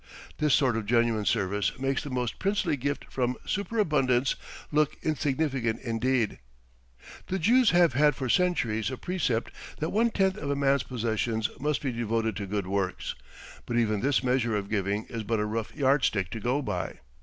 This sort of genuine service makes the most princely gift from superabundance look insignificant indeed. The Jews have had for centuries a precept that one tenth of a man's possessions must be devoted to good works, but even this measure of giving is but a rough yardstick to go by.